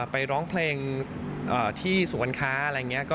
ไปร้องเพลงที่สุขวัญคาอะไรอย่างนี้